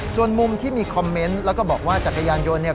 ส่วนมุมที่มีคอมเมนต์แล้วก็บอกว่าจักรยานยนต์เนี่ย